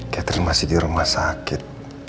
catherine masih di rumah sakit